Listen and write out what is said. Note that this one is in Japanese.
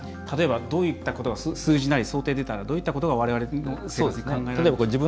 例えば、どういったことが数字なり、想定出たらどういったことが、われわれの生活で考えられるでしょうか。